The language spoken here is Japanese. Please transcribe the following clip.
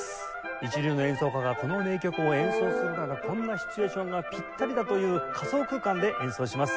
一流の演奏家がこの名曲を演奏するならこんなシチュエーションがぴったりだという仮想空間で演奏します。